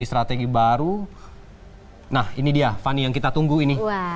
strategi baru nah ini dia fani yang kita tunggu ini